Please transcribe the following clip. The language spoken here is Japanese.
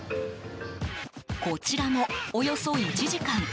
こちらも、およそ１時間。